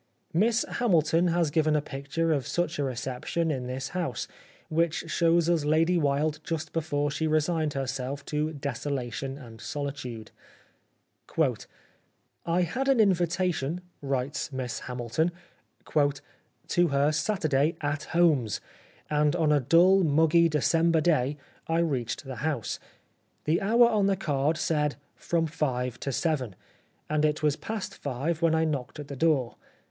Miss Hamilton has given a picture of such a reception in this house, which shows us Lady Wilde just before she resigned herself to desolation and solitude :—" I had an invitation," writes Miss Hamilton, " to her Saturday ' At Homes,' and on a dull, muggy December day, I reached the house. The hour on the card said, ' From five to seven,' 74 The Life of Oscar Wilde and it was past five when I knocked at the door.